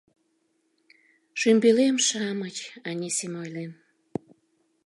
— Шӱмбелем-шамыч, — Анисим ойлен.